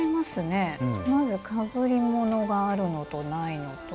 まずかぶり物があるのとないのと。